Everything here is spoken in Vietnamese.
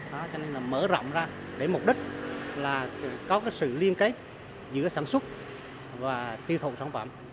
đó cho nên là mở rộng ra để mục đích là có cái sự liên kết giữa sản xuất và tiêu thụ sản phẩm